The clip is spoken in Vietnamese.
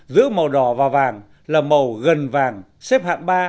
giữ màu đỏ và vàng là màu gần vàng xếp hạng ba